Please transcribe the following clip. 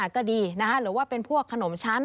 ก็ดีหรือว่าเป็นพวกขนมชั้น